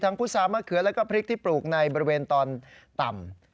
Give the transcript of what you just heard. พุษามะเขือแล้วก็พริกที่ปลูกในบริเวณตอนต่ำ